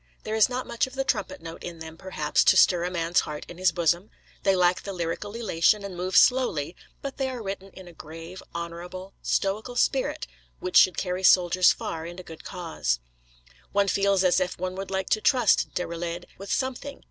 There is not much of the trumpet note in them, perhaps, to stir a man's heart in his bosom; they lack the lyrical elation, and move slowly; but they are written in a grave, honourable, stoical spirit, which should carry soldiers far in a good cause. One feels as if one would like to trust Déroulède with something.